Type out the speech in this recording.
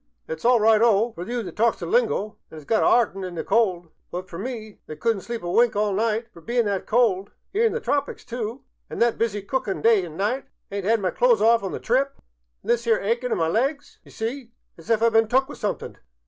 It's all right o fer you that talks the lingo an' as got 'ardened t' the cold. But fer me that could n't sleep a wink all night fer bein' that cold — 'ere in the tropicks, too — an' that busy cookin' day an' night I ayn't 'ad my clothes off on the trip, an' this 'ere achin' in my legs, d' ye see, as if I 'd been took with somethink.